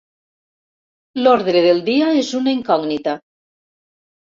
L'ordre del dia és una incògnita.